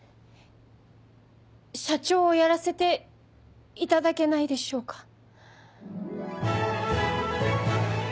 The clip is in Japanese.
社長をやらせていただけないでしょうか？